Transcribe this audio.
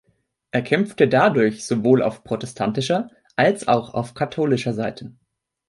Er kämpfte dadurch sowohl auf protestantischer als auch auf katholischer Seite.